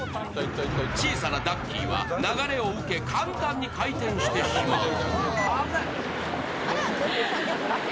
小さなダッキーは流れを受け、簡単に回転してしまう。